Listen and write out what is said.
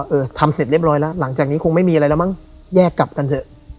เออทำเสร็จเรียบร้อยแล้วหลังจากนี้คงไม่มีอะไรแล้วมั้งแยกกลับกันเถอะ